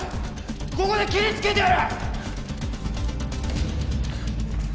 ここでケリつけてやる！